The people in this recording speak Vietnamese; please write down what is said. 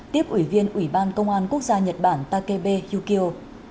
tiếp ủy viên ủy ban công an quốc gia nhật bản takebe yukio